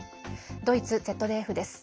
ドイツＺＤＦです。